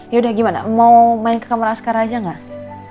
yaudah gimana mau main ke kamar askara aja gak